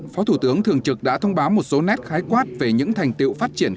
phó thủ tướng thường trực đã thông báo một số nét khái quát về những thành tiệu phát triển